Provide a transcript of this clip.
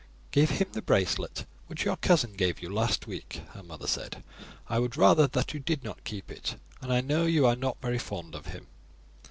"Give him the bracelet which your cousin gave you last week," her mother said; "I would rather that you did not keep it, and I know you are not very fond of him."